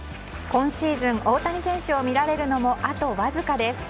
今シーズン、大谷選手を見られるのも、あとわずかです。